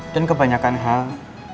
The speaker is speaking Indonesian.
dan kebanyakan hal